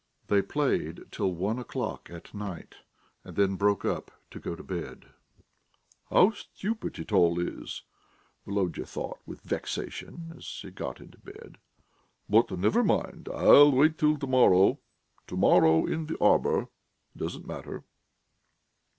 They played till one o'clock at night, and then broke up to go to bed. "How stupid it all is!" Volodya thought with vexation as he got into bed. "But never mind; I'll wait till to morrow ... to morrow in the arbour. It doesn't matter...."